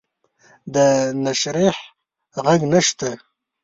د نشریح ږغ نشته